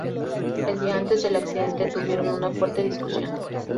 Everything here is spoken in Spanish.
El día antes del accidente tuvieron una fuerte discusión.